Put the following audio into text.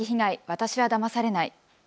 私はだまされない。